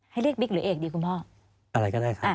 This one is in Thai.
ให้เรียกบิ๊กแล้วอีกเลยคุณพ่อ